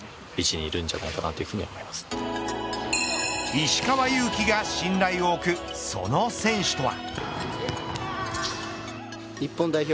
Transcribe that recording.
石川祐希が信頼を置くその選手とは。